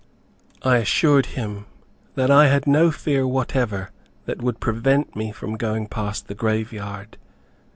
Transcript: I assured him that I had no fear whatever, that would prevent me from going past the grave yard.